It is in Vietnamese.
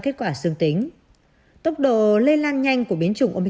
trường hợp mỗi ngày